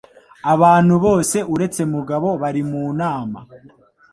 Abantu bose uretse Mugabo bari mu nama.